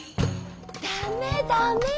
ダメダメ。